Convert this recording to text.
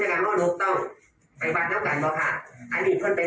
อ๋อเขาเจ้าได้ง่ายกันตัวหรือเปล่า